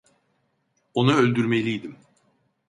Onu öldürmeliydim.